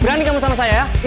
berani kamu sama saya ya